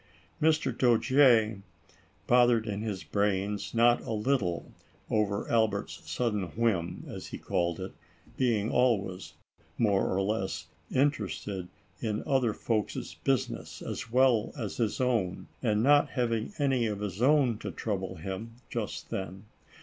Mr. Dojere bothered his brains, not a little, over Albert's sudden whim, as he called it, being always, more or less, interested in other folk's business as well as his own, and not having any of his own to trouble him, just then.